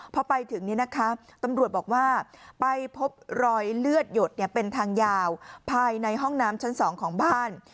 พอไปถึงตำรวจบอกว่าไปพบรอยเลือดหยดเป็นทางยาวภายในห้องน้ำชั้น๒ของบ้าน